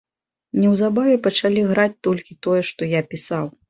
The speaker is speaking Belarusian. Неўзабаве пачалі граць толькі тое, што я пісаў.